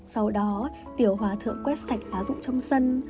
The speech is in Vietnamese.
sau đó tiểu hòa thượng quét sạch lá rụng trong sân